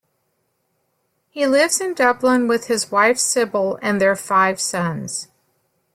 He lives in Dublin with his wife Sibylle and their five sons.